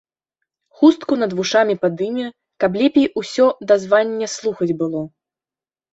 Хустку над вушамі падыме, каб лепей усё дазвання слухаць было.